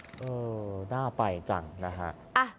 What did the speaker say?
เออน่าไปจังนะฮะ